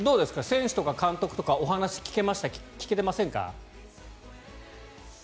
選手とか監督とかお話は聞けてませんか？